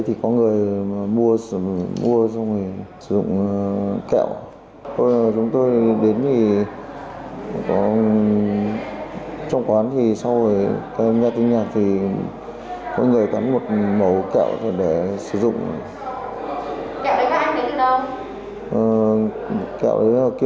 thì có người mua rồi xong rồi sử dụng kẹo